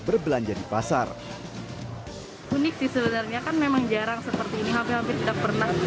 berbelanja di pasar unik sih sebenarnya kan memang jarang seperti ini hampir hampir tidak pernah